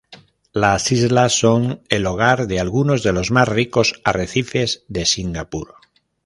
Las islas son el hogar de algunos de los más ricos arrecifes de Singapur.